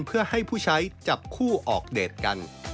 เพื่อให้ผู้ใช้จับคู่ออกเดทกัน